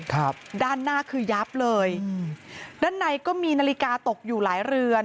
ครับด้านหน้าคือยับเลยอืมด้านในก็มีนาฬิกาตกอยู่หลายเรือน